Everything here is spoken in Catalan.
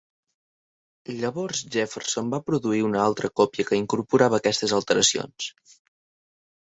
Llavors Jefferson va produir una altra còpia que incorporava aquestes alteracions.